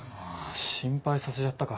心配させちゃったか。